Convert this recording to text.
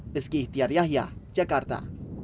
deski ihtiar yahya jakarta